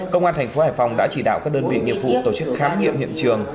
công an tp hải phòng đã chỉ đạo các đơn vị nghiệp vụ tổ chức khám nghiệm hiện trường